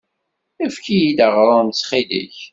Efk-iyi-d aɣrum ttxil-k.